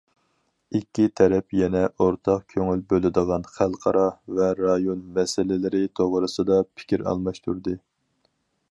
ئىككى تەرەپ يەنە ئورتاق كۆڭۈل بۆلىدىغان خەلقئارا ۋە رايون مەسىلىلىرى توغرىسىدا پىكىر ئالماشتۇردى.